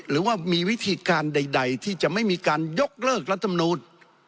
หรือว่ามีวิธีการใดที่จะไม่มีการยกเลิกรัฐมนูล